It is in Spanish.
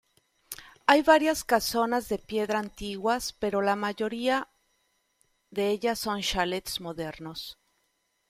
Hay varias casonas de piedra antiguas pero la mayoría de ellas son chalets modernos.